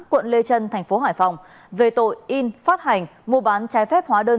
quận lê trân tp hải phòng về tội in phát hành mua bán trái phép hóa đơn